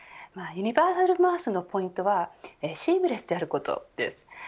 ユニバーサルＭａａＳのポイントはシームレスであることです。